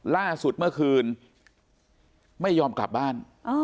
ล่าสุดเมื่อคืนไม่ยอมกลับบ้าน